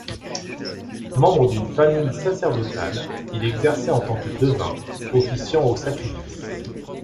Membre d'une famille sacerdotale, il exerçait en tant que devin, officiant aux sacrifices.